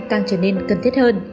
càng trở nên cân thiết hơn